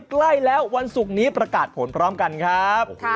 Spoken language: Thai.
ใกล้แล้ววันศุกร์นี้ประกาศผลพร้อมกันครับ